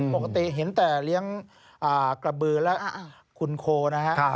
ปกติเห็นแต่เลี้ยงกระบือและคุณโคนะฮะ